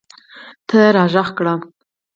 ته راږغ کړه !